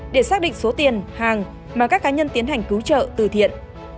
để xác định số tiền hàng mà các cá nhân tiến hành cứu trợ từ thiện